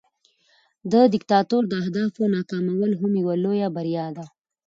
د دیکتاتور د اهدافو ناکامول هم یوه لویه بریا ده.